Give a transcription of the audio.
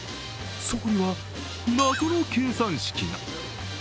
そこには謎の計算式が。